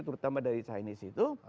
terutama dari chinese itu